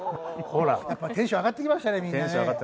やっぱテンション上がってきましたねみんなね。